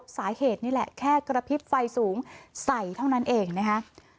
สาเหตุนี่แหละแค่กระพริบไฟสูงใส่เท่านั้นเองนะคะ